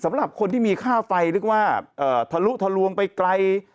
สำหรับคนที่มีค่าไฟนึกว่าทะลุทะลวงไปไกล